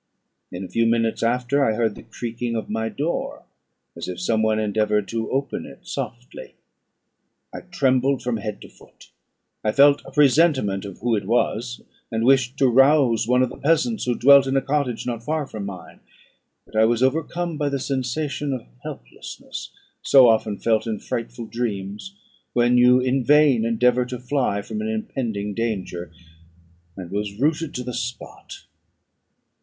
In a few minutes after, I heard the creaking of my door, as if some one endeavoured to open it softly. I trembled from head to foot; I felt a presentiment of who it was, and wished to rouse one of the peasants who dwelt in a cottage not far from mine; but I was overcome by the sensation of helplessness, so often felt in frightful dreams, when you in vain endeavour to fly from an impending danger, and was rooted to the spot.